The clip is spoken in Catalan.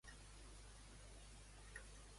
Garrido afirma que va ser una provocació.